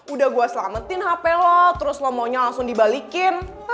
udah gue selametin handphone lo terus lo maunya langsung dibalikin